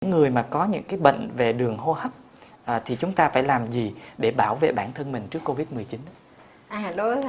những người mà có những bệnh về đường hô hấp thì chúng ta phải làm gì để bảo vệ bản thân mình trước covid một mươi chín